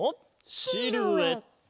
シルエット！